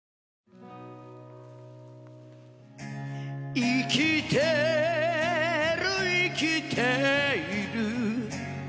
「生きてる生きている」